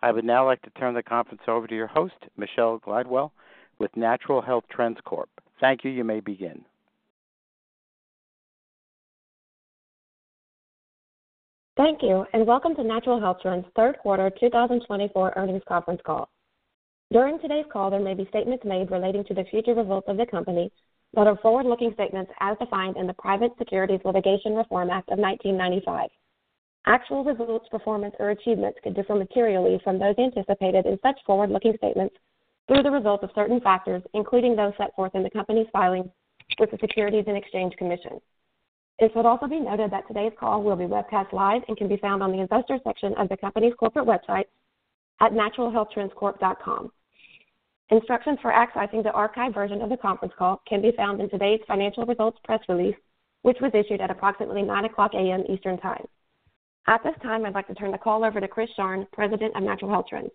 I would now like to turn the conference over to your host, Michelle Glidewell, with Natural Health Trends Corp. Thank you. You may begin. Thank you, and welcome to Natural Health Trends' Q3 2024 Earnings Conference Call. During today's call, there may be statements made relating to the future results of the company that are forward-looking statements as defined in the Private Securities Litigation Reform Act of 1995. Actual results, performance, or achievements could differ materially from those anticipated in such forward-looking statements through the results of certain factors, including those set forth in the company's filing with the Securities and Exchange Commission. It should also be noted that today's call will be webcast live and can be found on the investor section of the company's corporate website at naturalhealthtrendscorp.com. Instructions for accessing the archived version of the conference call can be found in today's financial results press release, which was issued at approximately 9:00 A.M. Eastern Time. At this time, I'd like to turn the call over to Chris Sharng, President of Natural Health Trends.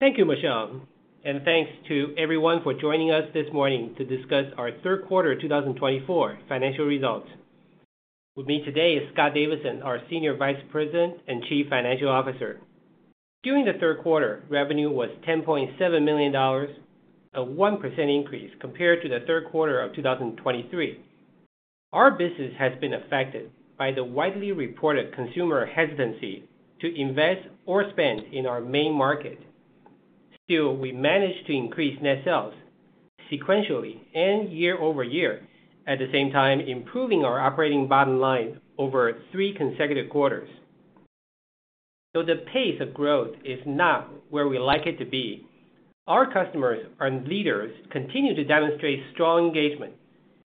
Thank you, Michelle, and thanks to everyone for joining us this morning to discuss our third quarter 2024 financial results. With me today is Scott Davidson, our Senior Vice President and Chief Financial Officer. During the third quarter, revenue was $10.7 million, a 1% increase compared to the third quarter of 2023. Our business has been affected by the widely reported consumer hesitancy to invest or spend in our main market. Still, we managed to increase net sales sequentially and year over year, at the same time improving our operating bottom line over three consecutive quarters. Though the pace of growth is not where we like it to be, our customers and leaders continue to demonstrate strong engagement,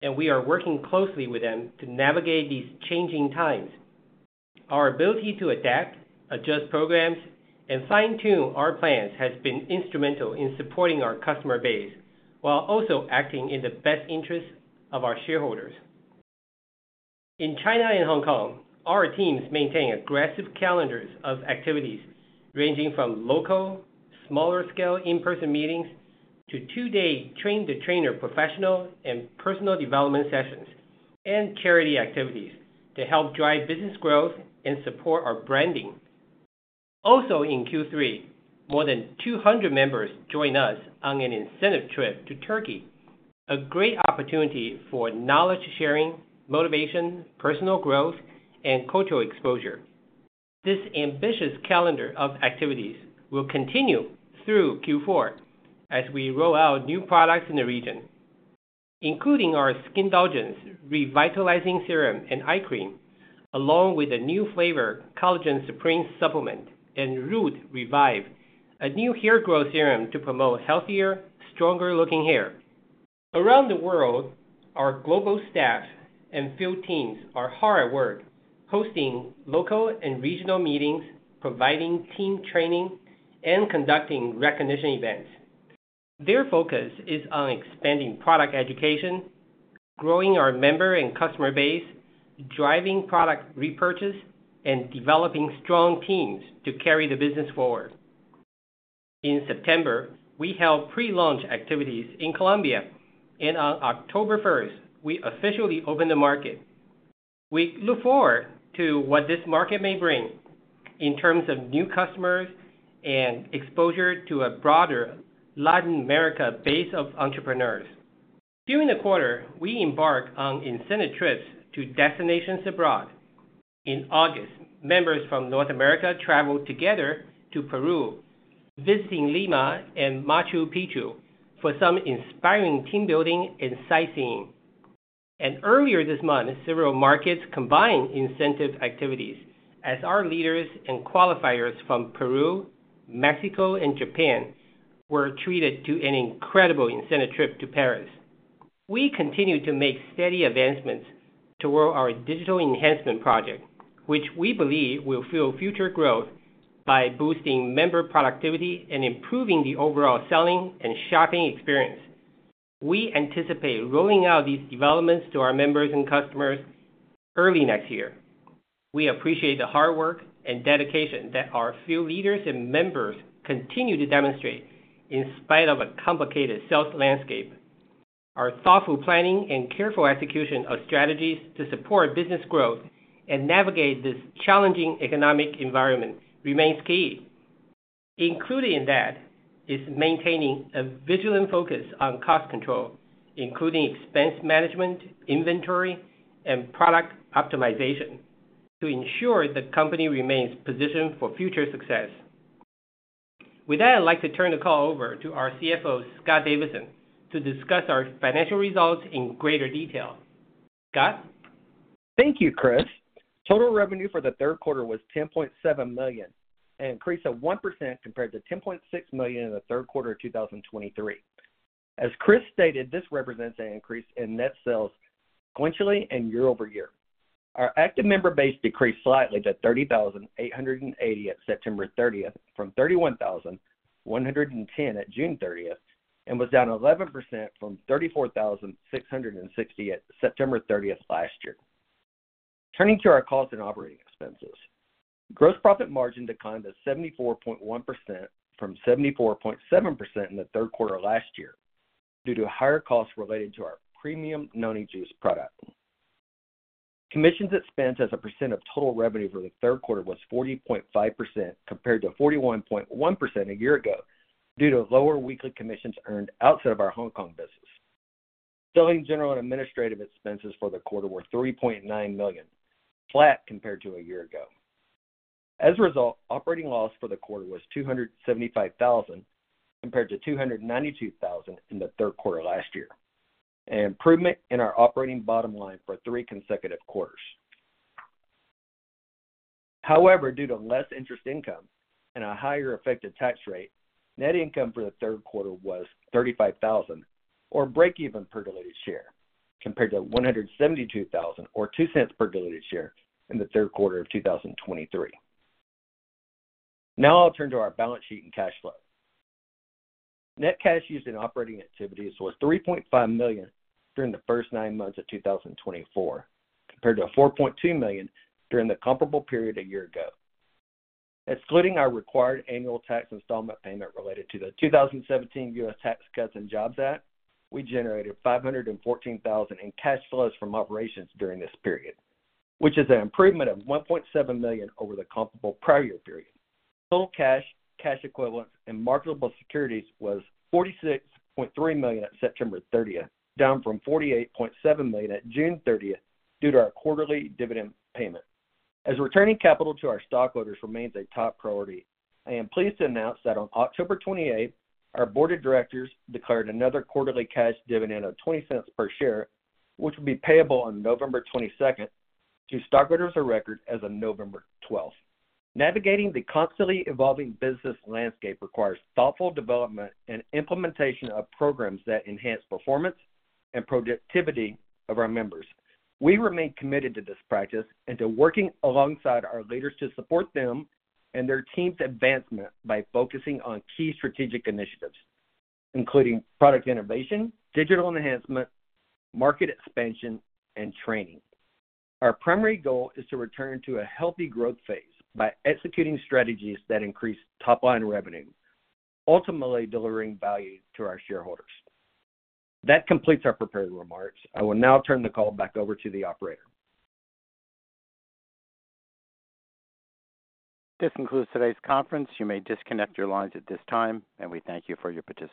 and we are working closely with them to navigate these changing times. Our ability to adapt, adjust programs, and fine-tune our plans has been instrumental in supporting our customer base while also acting in the best interests of our shareholders. In China and Hong Kong, our teams maintain aggressive calendars of activities ranging from local, smaller-scale in-person meetings to two-day train-the-trainer professional and personal development sessions and charity activities to help drive business growth and support our branding. Also, in Q3, more than 200 members joined us on an incentive trip to Turkey, a great opportunity for knowledge sharing, motivation, personal growth, and cultural exposure. This ambitious calendar of activities will continue through Q4 as we roll out new products in the region, including our SkinDulcens Revitalizing Serum and Skindulgence Eye Cream, along with a new flavor, Collagen Supreme Supplement, and Root Revive, a new Hair Growth Serum to promote healthier, stronger-looking hair. Around the world, our global staff and field teams are hard at work hosting local and regional meetings, providing team training, and conducting recognition events. Their focus is on expanding product education, growing our member and customer base, driving product repurchase, and developing strong teams to carry the business forward. In September, we held pre-launch activities in Colombia, and on October 1st, we officially opened the market. We look forward to what this market may bring in terms of new customers and exposure to a broader Latin America base of entrepreneurs. During the quarter, we embarked on incentive trips to destinations abroad. In August, members from North America traveled together to Peru, visiting Lima and Machu Picchu for some inspiring team building and sightseeing. And earlier this month, several markets combined incentive activities as our leaders and qualifiers from Peru, Mexico, and Japan were treated to an incredible incentive trip to Paris. We continue to make steady advancements toward our digital enhancement project, which we believe will fuel future growth by boosting member productivity and improving the overall selling and shopping experience. We anticipate rolling out these developments to our members and customers early next year. We appreciate the hard work and dedication that our few leaders and members continue to demonstrate in spite of a complicated sales landscape. Our thoughtful planning and careful execution of strategies to support business growth and navigate this challenging economic environment remains key. Included in that is maintaining a vigilant focus on cost control, including expense management, inventory, and product optimization to ensure the company remains positioned for future success. With that, I'd like to turn the call over to our CFO, Scott Davidson, to discuss our financial results in greater detail. Scott? Thank you, Chris. Total revenue for the third quarter was $10.7 million and increased a 1% compared to $10.6 million in the third quarter of 2023. As Chris stated, this represents an increase in net sales sequentially and year over year. Our active member base decreased slightly to 30,880 at September 30th from 31,110 at June 30th and was down 11% from 34,660 at September 30th last year. Turning to our costs and operating expenses, gross profit margin declined to 74.1% from 74.7% in the third quarter last year due to higher costs related to our premium noni juice product. Commissions expense as a percent of total revenue for the third quarter was 40.5% compared to 41.1% a year ago due to lower weekly commissions earned outside of our Hong Kong business. Selling general and administrative expenses for the quarter were $3.9 million, flat compared to a year ago. As a result, operating loss for the quarter was $275,000 compared to $292,000 in the third quarter last year, an improvement in our operating bottom line for three consecutive quarters. However, due to less interest income and a higher effective tax rate, net income for the third quarter was $35,000 or break-even per diluted share compared to $172,000 or $0.02 per diluted share in the third quarter of 2023. Now I'll turn to our balance sheet and cash flow. Net cash used in operating activities was $3.5 million during the first nine months of 2024 compared to $4.2 million during the comparable period a year ago. Excluding our required annual tax installment payment related to the 2017 U.S. Tax Cuts and Jobs Act, we generated $514,000 in cash flows from operations during this period, which is an improvement of $1.7 million over the comparable prior year period. Total cash, cash equivalents, and marketable securities was $46.3 million at September 30th, down from $48.7 million at June 30th due to our quarterly dividend payment. As returning capital to our stockholders remains a top priority, I am pleased to announce that on October 28th, our board of directors declared another quarterly cash dividend of $0.20 per share, which will be payable on November 22nd to stockholders of record as of November 12th. Navigating the constantly evolving business landscape requires thoughtful development and implementation of programs that enhance performance and productivity of our members. We remain committed to this practice and to working alongside our leaders to support them and their team's advancement by focusing on key strategic initiatives, including product innovation, digital enhancement, market expansion, and training. Our primary goal is to return to a healthy growth phase by executing strategies that increase top-line revenue, ultimately delivering value to our shareholders. That completes our prepared remarks. I will now turn the call back over to the operator. This concludes today's conference. You may disconnect your lines at this time, and we thank you for your participation.